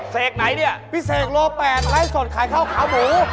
เสกไหนเนี่ยพี่เสกโลแปดไลฟ์สดขายข้าวขาวหมู